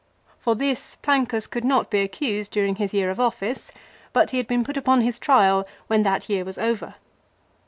For this Plancus could not be accused during his year of office, but he had been put upon his trial when that year was over.